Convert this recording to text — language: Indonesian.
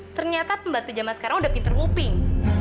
ternyata pembantu zaman sekarang udah pinter nguping